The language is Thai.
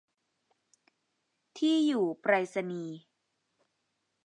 ที่อยู่ไปรษณีย์